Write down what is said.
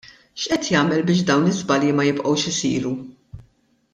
X'qed jagħmel biex dawn l-iżbalji ma jibqgħux isiru?